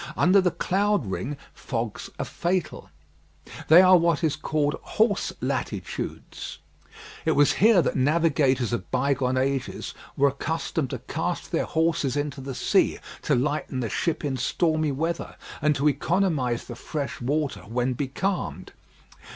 Under the cloud ring fogs are fatal. These are what are called horse latitudes. It was here that navigators of bygone ages were accustomed to cast their horses into the sea to lighten the ship in stormy weather, and to economise the fresh water when becalmed.